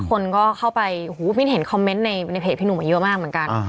คนก็เข้าไปโอ้โหมิ้นเห็นคอมเมนต์ในเพจพี่หนุ่มมาเยอะมากเหมือนกัน